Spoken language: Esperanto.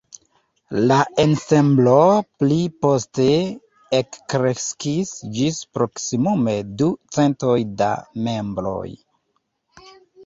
La ensemblo pli poste ekkreskis ĝis proksimume du centoj da membroj.